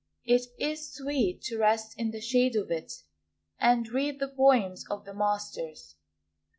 It is sweet to rest in the shade of it And read the poems of the masters.